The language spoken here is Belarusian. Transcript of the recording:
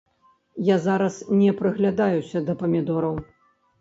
Я зараз не прыглядаюся да памідораў.